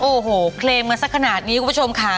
โอ้โหเคลมกันสักขนาดนี้คุณผู้ชมค่ะ